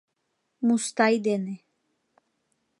МУСТАЙ ДЕНЕ